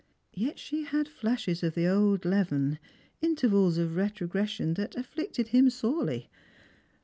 Yet she had flashes of the old leaven, intervals of retrogres sion that afflicted him sorely.